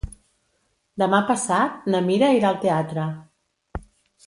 Demà passat na Mira irà al teatre.